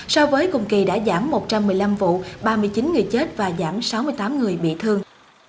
so với cùng kỳ đã giảm một trăm một mươi năm vụ ba mươi chín người chết và giảm sáu mươi tám người bị thương